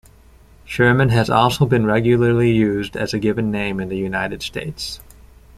Sherman has also been regularly used as a given name in the United States.